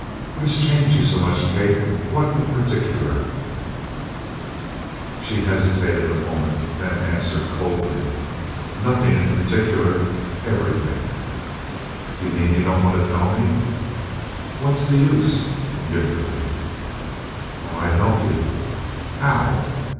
"What has changed you so much, Kate what in particular?" She hesitated a moment, then answered coldly: "Nothing in particular everything." "You mean you don't want to tell me?" "What's the use?" indifferently. "I might help you." "How?"